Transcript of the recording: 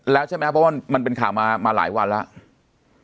แล้วใช่ไหมเพราะว่ามันเป็นข่าวมาหลายวันแล้ว